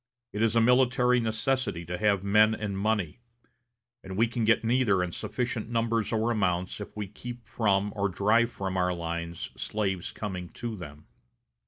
It is a military necessity to have men and money; and we can get neither in sufficient numbers or amounts if we keep from or drive from our lines slaves coming to them.